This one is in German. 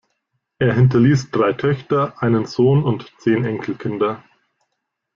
Er hinterließ drei Töchter, einen Sohn und zehn Enkelkinder.